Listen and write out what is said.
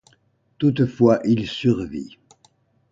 Toutefois, il survit.